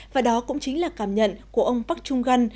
và đó cũng chính là cảm nhận của ông park chung gan